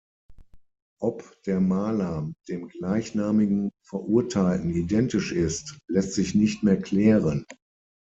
Ob der Maler mit dem gleichnamigen Verurteilten identisch ist, lässt sich nicht mehr klären.